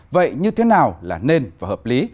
vậy như thế nào là nên và hợp lý